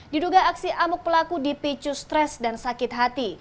diduga aksi amuk pelaku dipicu stres dan sakit hati